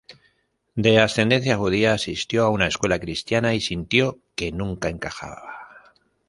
De ascendencia judía, asistió a una escuela cristiana y sintió que nunca encajaba.